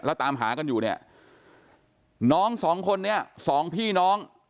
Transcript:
แล้วตามหากันอยู่เนี่ยน้องสองคนนี้สองพี่น้อง